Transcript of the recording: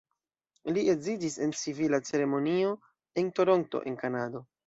Ili edziĝis en civila ceremonio en Toronto en Kanado.